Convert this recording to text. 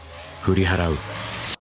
振り払う？